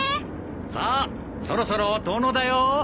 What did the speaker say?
さあそろそろ遠野だよ。